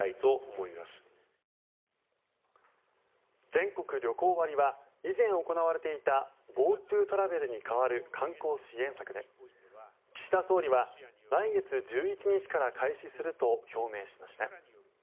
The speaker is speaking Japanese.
全国旅行割は以前行われていたＧｏＴｏトラベルに代わる観光支援策で岸田総理は来月１１日から開始すると表明しました。